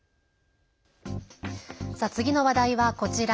次の話題は、こちら。